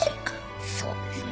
そうですね。